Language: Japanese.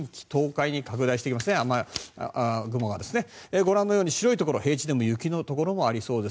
ご覧のように白いところ平地でも雪のところがありそうです。